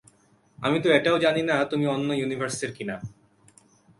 আমি তো এটাও জানি না তুমি অন্য ইউনিভার্সের কি-না।